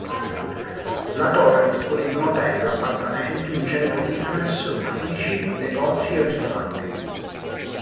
La torre dispone di un hotel, appartamenti, un centro fitness, uffici, negozi e ristoranti.